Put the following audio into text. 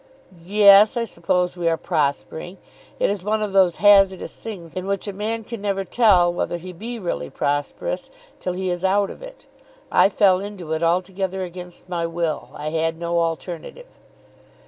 "Yes, I suppose we are prospering. It is one of those hazardous things in which a man can never tell whether he be really prosperous till he is out of it. I fell into it altogether against my will. I had no alternative."